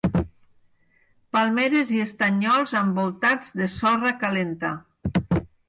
Palmeres i estanyols envoltats de sorra calenta.